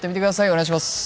お願いします